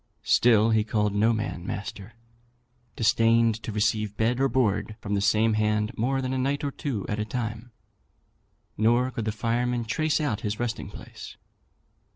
Still, he called no man master, disdained to receive bed or board from the same hand more than a night or two at a time, nor could the firemen trace out his resting place."